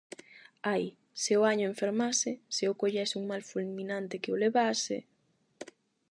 Ai, se o año enfermase, se o collese un mal fulminante que o levase...!